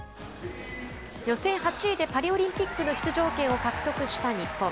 予選８位でパリオリンピックの出場権を獲得した日本。